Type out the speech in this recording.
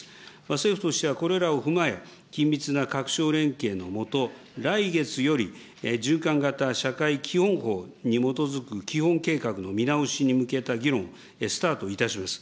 政府としてはこれらを踏まえ、緊密な各省連携の下、来月より、循環型社会基本法に基づく基本計画の見直しに向けた議論をスタートいたします。